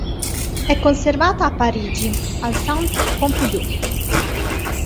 È conservata a Parigi, al Centre Pompidou.